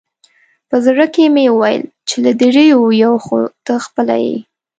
په زړه کې مې وویل چې له درېیو یو خو ته خپله یې.